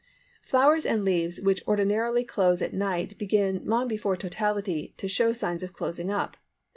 Flowers and leaves which ordinarily close at night begin long before totality to show signs of closing up.